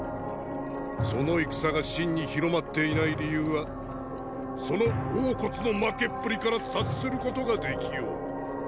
その戦が秦に広まっていない理由はその王の負けっぷりから察することができよう。